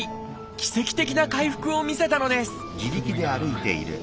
奇跡的な回復を見せたのですすごいなあ。